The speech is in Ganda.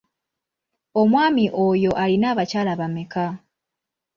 Omwami oyo alina abakyala bameka?